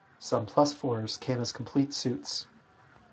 Some plus fours came as complete suits.